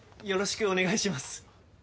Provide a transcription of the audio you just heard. よろしくお願いします。